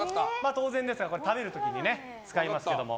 当然ですが食べる時に使いますけども。